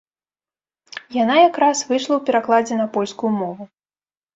Яна якраз выйшла ў перакладзе на польскую мову.